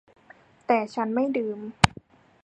แต่ฉันไม่ดื่ม